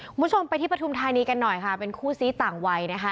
คุณผู้ชมไปที่ปฐุมธานีกันหน่อยค่ะเป็นคู่ซี้ต่างวัยนะคะ